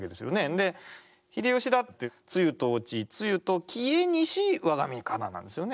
で秀吉だって「露と落ち露と消えにし我が身かな」なんですよね。